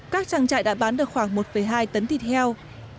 các trang trại đã bán được khoảng một hai tấn thịt heo